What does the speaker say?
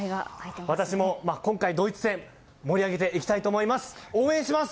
私も今回ドイツ戦盛り上げていきたいと思います！